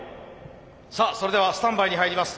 さあそれではスタンバイに入ります。